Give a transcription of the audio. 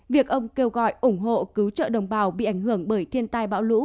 việc ông kêu gọi ủng hộ cứu trợ đồng bào bị ảnh hưởng bởi thiên tai bão lũ